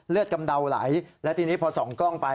กำเดาไหลและทีนี้พอส่องกล้องไป